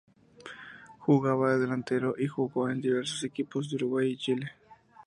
Jugaba de delantero y jugó en diversos equipos de Uruguay y Chile.